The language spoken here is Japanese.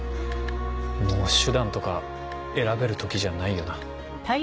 もう手段とか選べる時じゃないよな。